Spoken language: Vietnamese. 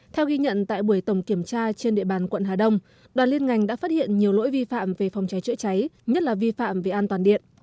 theo ghi nhận tại buổi tổng kiểm tra trên địa bàn quận hà đông đoàn liên ngành đã phát hiện nhiều lỗi vi phạm về phòng cháy chữa cháy nhất là vi phạm về an toàn điện